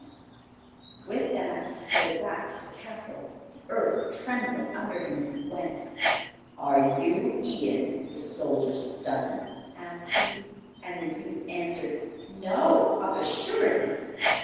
With that he strode back to the castle, the earth trembling under him as he went. 'Are you Ian, the soldier's son?' asked he. And the youth answered: 'No, of a surety.